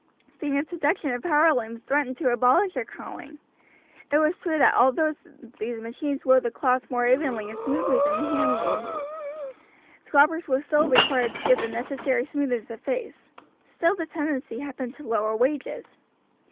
The introduction of power looms threatened to abolish their calling. It was true that although these machines wove the cloth more evenly and smoothly than the hand looms, croppers were still required to give the necessary smoothness of face; still the tendency had been to lower wages.